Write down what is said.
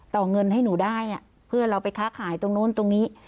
เงินให้หนูได้เพื่อนเราไปค้าขายตรงนู้นตรงนี้